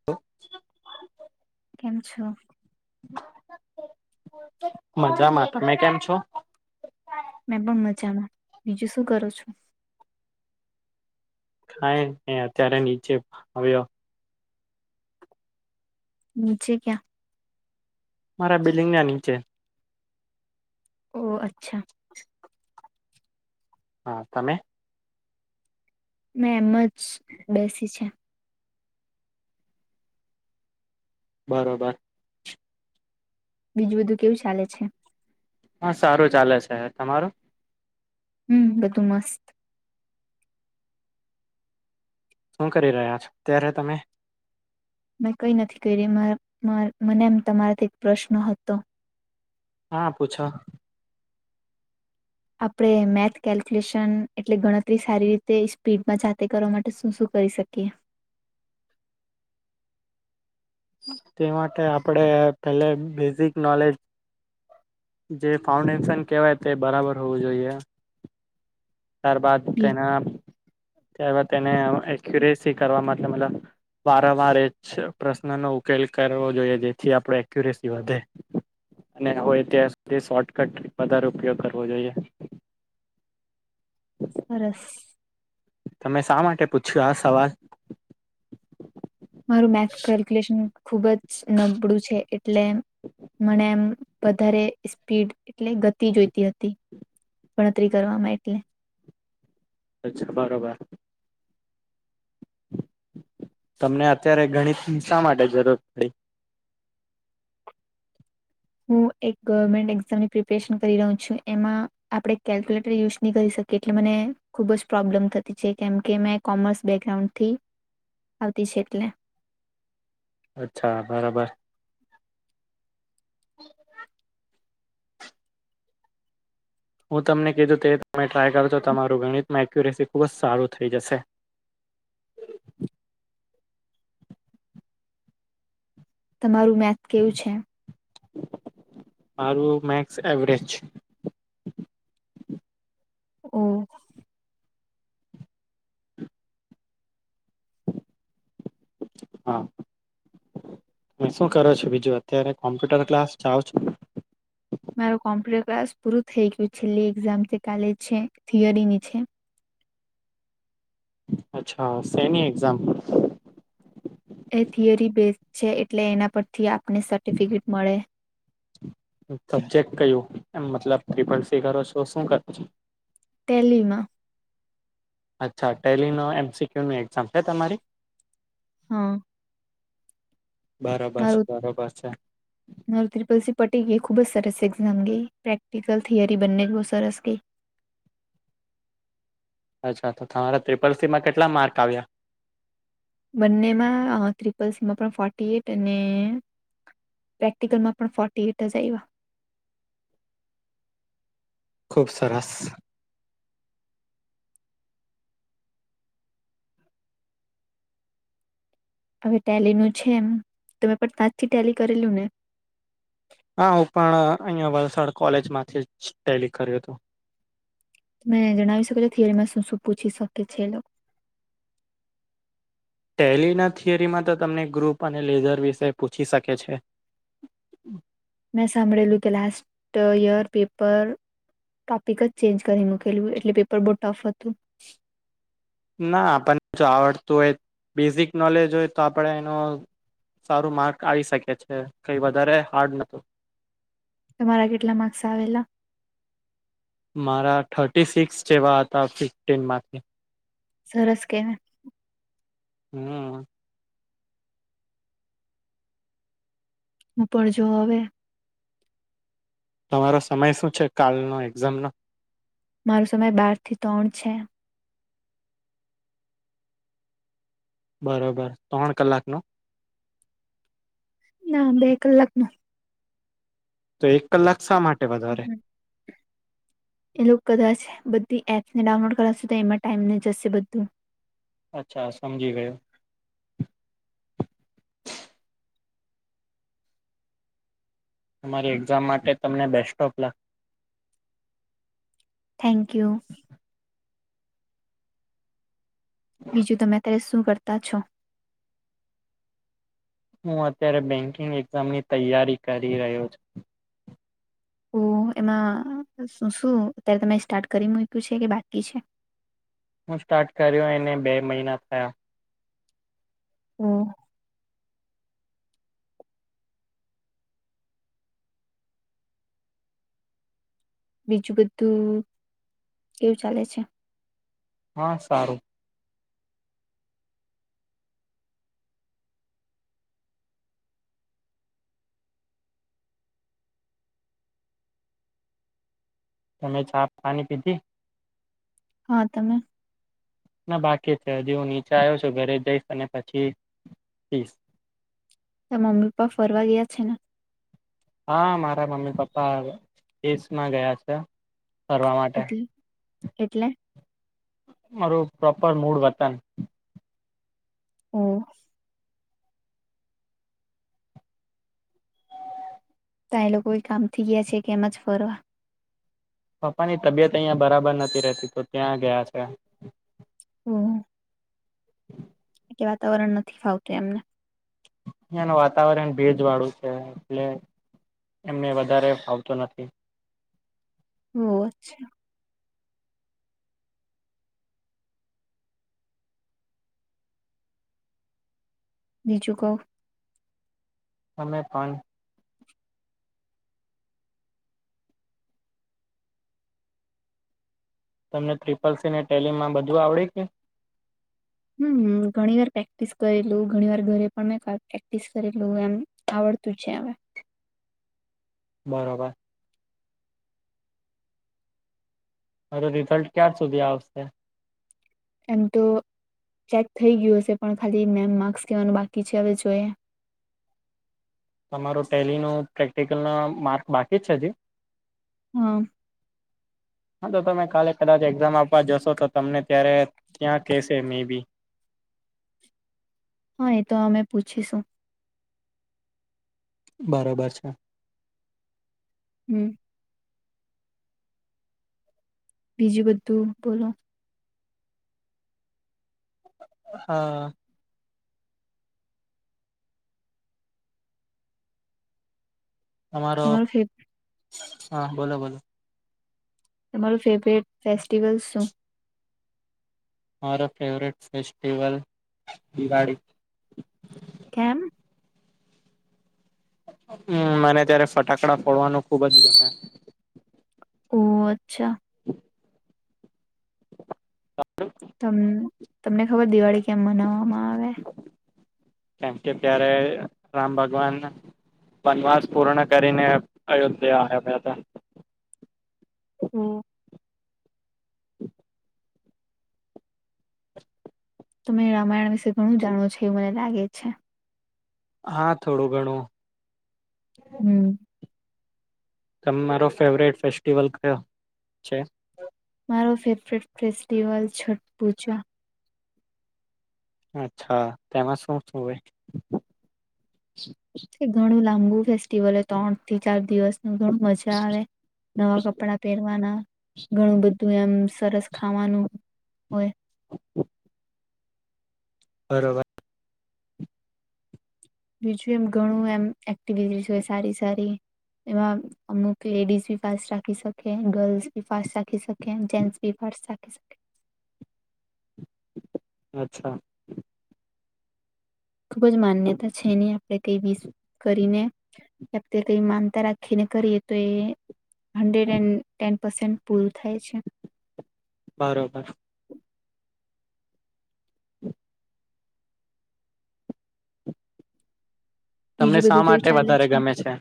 હ [inaudible] કેમ છો? મજામાં તમે કેમ છો? મેં પણ મજામાં બીજું શું કરું છુ કાય અત્યારે નીચે આવ્યો નીચે ક્યાં મારા બિલ્ડીંગના નીચે ઓ અચ્છા હા તમે. મેં એમ જ બેસી છે. બરોબર. બીજું બધું કેવું ચાલે છે. હા સારું ચાલે છે તમારું. હમ બધું મસ્ત. હું કરી રહ્યા છો અત્યારે તમે. મેં કઈ નથી કરી મને મ મને તમારાથી એક પ્રશ્ન હતો. હા પૂછો. આપણે મેથ કેલ્ક્યુલેશન એટલે ગણતરી સારી રીતે સ્પીડમાં જાતે કરવા માટે શું શું કરી શકીએ. તે માટે આપડે પેલે બેઝિક નોલેજ જે ફાઉન્ડેશન કહેવાય તે બરાબર હોવું જોઈએ. ત્યારબાદ બી તેના તેને એક્યુરેસી કરવા મતલબ વારંવારે પ્રશ્નનો નો ઉકેલ કરવો જોઈએ જેથી આપણે એક્યુરેસી વધે. અને હોય ત્યાં સુધી શોર્ટકટ વધારે ઉપયોગ કરવો જોઈએ. સરસ. તમે શા માટે પૂછ્યું આ સવાલ મારું મેથ કેલ્ક્યુલેશન ખુબ જ નબળું છે એટલે મને એમ વધારે સ્પીડ એટલે ગતિ જોઈતી હતી. ગણતરી કરવામાં એટલે અચ્છા બરોબાર તમને અત્યારે ગણિતની શા માટે જરૂર પડી. હું એક ગવર્મેન્ટ એક્ઝામની પ્રિપેરેશન કરી રહું છું એમાં આપણેે કેલ્ક્યુલેટર યુઝ નહી કરી શકીએ. એટલે મને ખુબ જ પ્રોબ્લેમ થતી છે કેમ કે મેં કોમર્સ બેકગ્રાઉન્ડથી આવતી છે એટલે અચ્છા બરાબર. [inaudible] હું તમને કીધું તે તમે ટ્રાય કરો તો તમારું ગણિતમાં એક્યુરેસી ખુબ સારુ થઈ જશે. તમારું મેથ કેવું છે. મારું મેક્સ એવરેજ. ઓ હા શું કરો છો બીજું અત્યારે કોમ્પ્યુટર ક્લાસ જાવ છો. મારુ કોમ્પ્યુટર ક્લાસ પૂરું થઈ ગયું છે, એક્ઝામ કાલે છે થિયરી ની છે. અચ્છા સેની એક્ઝામ એ થિયરી બેઝ છે એટલે એના પરથી આપને સર્ટિફિકેટ મળે. સબ્જેક્ટ કયું એમ મતલબ ડિફેન્સી કરો છો શું કરો છો? ટેલીમાં. અચ્છા ટેલીનો એમસીક્યુની એક્ઝામ છે તમારી. હા. બરોબર મારું છે બરોબર છે. ત્રિપલ સી પટી ગઈ ખુબ જ સરસ એક્ઝામ ગઈ પ્રેક્ટિકલ થિયરી બંને જ બહુ સરસ ગઈ. અચ્છા તો તમારા ત્રિપલ સી માં કેટલા માર્ક આવ્યા. બંનેમાં ત્રિપલ સીમાં પણ ફોર્ટી એટ અને પ્રેક્ટિકલમાં પણ ફોર્ટી એટ જ આયવા. ખૂબ સરસ. હવે ટેલી નું છે એમ તમેં પણ તાજ થી ટેલી કરેલું ને હા હું પણ અહિયાં વલસાડ કોલેજ માંથી જ ટેલી કર્યું હતું તમે જણાવી શકો છો થિયરી માં શું શું પૂછી શકે છે એ લોકો ટેલીના થિયરીમાં તો તમને ગ્રુપ અને લેઝર વિશે પૂછી શકે છે. મેં સાંભળેલું કે લાસ્ટ યર પેપર ટોપિક જ ચેન્જ કરી મૂકેલું એટલે પેપર બો ટફ હતું ના પણ જો આવડતું હોય બેઝિક નોલેજ હોય તો આપણે એનો સારું માર્ક આવી શકે છે કઈ વધારે હાર્ડ ન તમારા કેટલા માર્ક્સ આવેલા મારા થર્ટી સિક્સ જેવા હતા ફિફ્ટીનમાંથી સરસ કેવાય હમ્મ. ઉપર જો હવે તમારો સમય શું છે કાલનો એક્ઝામ નો મારો સમય બાર થી ત્રણ છે. બરોબર ત્રણ કલાક નો ના બે કલાક નો તો એક કલાક શા માટે વધારે હમ. એ લોકો કદાચ બધી એપ્સ ને ડાઉનલોડ કરાવશે તો એમાં ટાઈમ ને એ જશે બધું અચ્છા સમજી ગયો તમારી એક્ઝામ માટે તમને best of luck thank you બીજું તમે અત્યારે શું કરતા છો હું અત્યારે બેકિંગ એક્ઝામની તૈયારી કરી રહ્યો છું ઓ એમાં શું શું અત્યારે તમે સ્ટાર્ટ કરી મૂક્યું છે કે બાકી છે હું સ્ટાર્ટ કર્યો એને બે મહિના થયા હમ બીજું બધું કેવું ચાલે છે હા સારું તમે ચા પાણી પીધી હા તમે ના બાકી છે હજી હું નીચે આયો છું ઘરે જઈશ અને પછી પીશ ત મમ્મી પપ્પા ફરવા ગ્યા છે ને હા મારા મમ્મી પપ્પા [unintelligible] દેશ માં ગયા છે ફરવા માટે એટલે એટલે મારું પપ્પા નું મૂડ વતન હમ તા એ લોકો કામ થી ગ્યા છે કે એમ જ ફરવા પપ્પાની તબિયત અહિયાં બરાબર નથી રહેતી તો ત્યાં ગયા છે હમ કે વાતાવરણ નથી ફાવતું એમને એનું વાતાવરણ ભેજ વાળું છે એટલે એમને વધારે ફાવતું નથી હો અચ્છા બીજું કો [unintelligible] તમને ત્રિપલ સી ને ટેલીમાં બધું આવડી ગ્યુ હમ હમ ઘણી વાર પ્રેક્ટિસ કરેલું ઘણી વાર ઘરે પણ મેં પ્રેક્ટિસ કરેલું એમ આવડતું છે હવે બરોબર અરે રિઝલ્ટ ક્યાર સુધી આવશે એમ તો ચેક થઈ ગ્યુ હશે પણ ખાલી મેઈન માર્ક્સ કહેવાનું બાકી છે હવે જોઈએ તમારું ટેલીનું પ્રેક્ટિકલ નું માર્ક બાકી જ છે હજી હા હા તો તમે કાલે કદાચ એક્ઝામ આપવા જશો તો તમને ત્યારે ત્યાં કહેશે મે બી હા એતો અમે પૂછીશું બરાબર છે હમ બીજું બધું બોલો હા તમારો તમારું ફેવ હા બોલો બોલો તમારું ફેવરેટ ફેસ્ટિવલ શું મારો ફેવરેટ ફેસ્ટિવલ દિવાળી કેમ હમ મને ત્યારે ફટાકડા ફોડવાનું ખુબ જ ગમે ઓહ અચ્છા ત [unintelligible] તમને ખબર દિવાળી કેમ મનાવવામાં આવે કેમ કે ત્યારે રામ ભગવાન વનવાસ પૂર્ણ કરીને અયોધ્યા આવ્યા હતા હમ્મ હ તમે રામાયણ વિશે ઘણું જાણો છો એવું મને લાગે છે હા થોડો ઘણો હમ્મ તેમાંરો ફેવરેટ ફેસ્ટિવલ કયો છે મારો ફેવરેટ ફેસ્ટિવલ છે પૂજા અચ્છા તેમાં શું શું હોય તે ઘણું લાંબુ ફેસ્ટિવલ ત્રણ થી ચાર દિવસ ન ઘણું મજા આવે નવા કપડાં પહેરવાના ઘણું બધું એમ સરસ ખાવાનું હોય [inaudible] બરોબર બીજું એમ ઘણું એમ એક્ટિવી હો સારી સારી એમાં અમુક લેડીઝ બી ફાસ્ટ રાખી શકે ગર્લ્સ ભી ફાસ્ટ રાખી શકે ઓ જેન્ટસ બી [unintelligible] રાખી શકે અચ્છા ખુબજ માન્યતા છે એની આપણે કઈ વિસ કરીને આપ તે કઈ માનતા રાખીને કરી તો એ હંડ્રેડ એન્ડ ટેન પસે પૂરું થાય છે બરોબર તમને બીજું શા બધું કેવું માટે ચાલે વધારે ગમે છે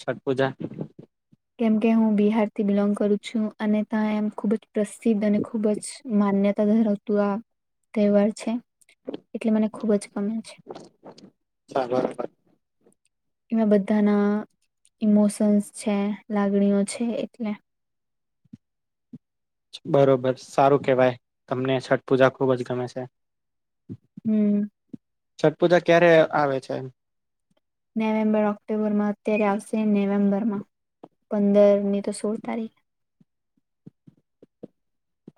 છઠ પૂજા કેમ કે હું બિહારથી બિલોંગ કરું છું અને ત્યાં એમ જ અને ખુબ જ પ્રસિદ્ધ ખૂબ જ માન્યતા ધરાવતું આ તહેવાર છે એટલે મને ખુબ જ ગમે છે [unintelligible] એમાં બધાના ઈમોશન્સ છે લાગણીઓ છે એટલે બરોબર સારું કેવાય તમને છઠ પૂજા ખુબ જ ગમે છે હમ્મ છઠ પૂજા ક્યારે આવે છે નવેમ્બર ઓક્ટોબરમાં અત્યારે આવશે નવેમ્બરમાં પંદર ની તો સોળ તારીખ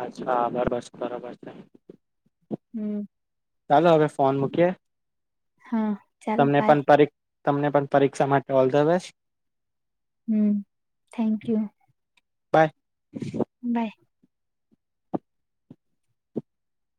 અચ્છા બરાબર બરાબર છે હમ્મ ચાલો હવે ફોન મૂકીએ હા ચાલો તમને પણ બાય પરિ તમને પણ પરીક્ષા માટે all the best hmm thank you bye by